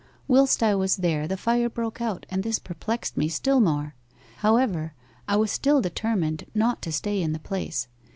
Whilst I was there the fire broke out, and this perplexed me still more. However, I was still determined not to stay in the place.